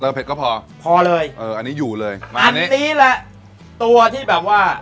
เผ็ดก็พอพอเลยเอออันนี้อยู่เลยมาอันนี้นี่แหละตัวที่แบบว่า